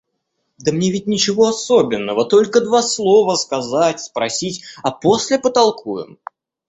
Да мне ведь ничего особенного, только два слова сказать, спросить, а после потолкуем.